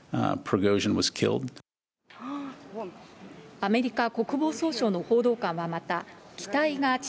アメリカ国防総省の報道官はまた、機体が地